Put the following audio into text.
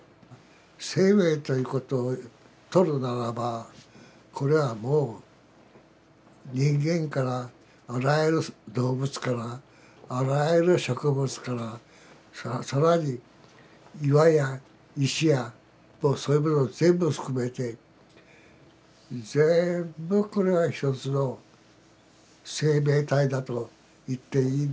生命ということをとるならばこれはもう人間からあらゆる動物からあらゆる植物から更に岩や石やそういうものを全部含めて全部これは一つの生命体だと言っていいんですよね。